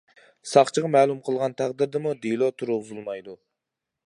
ساقچىغا مەلۇم قىلغان تەقدىردىمۇ دېلو تۇرغۇزۇلمايدۇ.